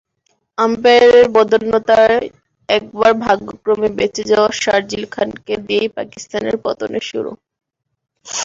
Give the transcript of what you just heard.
আম্পায়ারের বদান্যতায় একবার ভাগ্যক্রমে বেঁচে যাওয়া শার্জিল খানকে দিয়েই পাকিস্তানের পতনের শুরু।